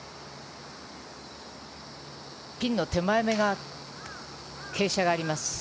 ピンの手前が傾斜があります。